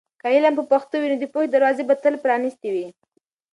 که علم په پښتو وي، نو د پوهې دروازې به تل پرانیستې وي.